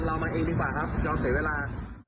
เรามาเองดีกว่าครับยอมเสียเวลา